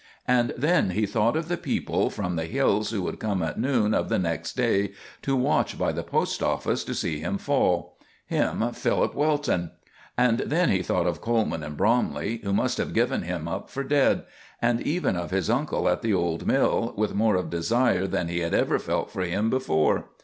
And then he thought of the people from the hills who would come at noon of the next day to watch by the post office to see him fall him, Philip Welton! And then he thought of Coleman and Bromley, who must have given him up for dead; and even of his uncle at the old mill, with more of desire than he had ever felt for him before.